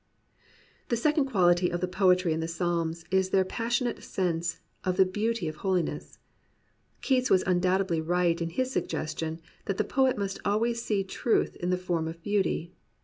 The second quality of the poetry in the Psalms is their passionate sense of the beauty of hoKness. Keats was undoubtedly right in his suggestion that the poet must always see truth in the form of beauty.